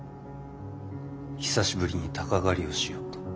久しぶりに鷹狩りをしようと。